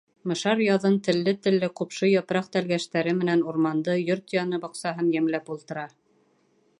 Мышар яҙын телле-телле ҡупшы япраҡ тәлгәштәре менән урманды, йорт яны баҡсаһын йәмләп ултыра.